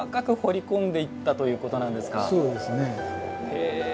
へえ。